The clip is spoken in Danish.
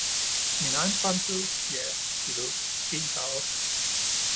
Min egen fremtid? Ja, De ved, ens eget